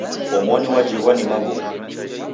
Omoni wajighwa ni maw'ungo.